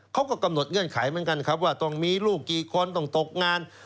เขาก็กำหนดเงื่อนไขเหมือนกันครับว่าต้องมีลูกกี่คนต้องตกงาน